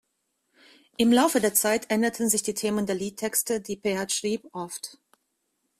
Im Laufe der Zeit änderten sich die Themen der Liedtexte, die Peart schrieb, oft.